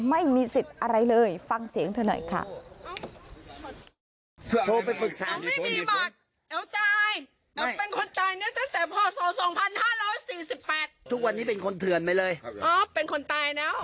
ไม่มีสิทธิ์อะไรเลยฟังเสียงเธอหน่อยค่ะ